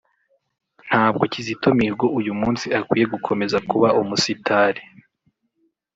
Ntabwo Kizito Mihigo uyu munsi akwiye gukomeza kuba umusitari